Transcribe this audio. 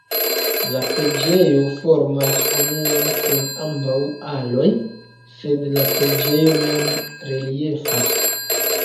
La preĝejo formas unuon kun ambaŭ aloj, sed la preĝejo mem reliefas.